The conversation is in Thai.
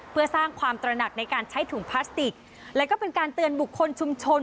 เพื่อสร้างความตระหนักในการใช้ถุงพลาสติกและก็เป็นการเตือนบุคคลชุมชน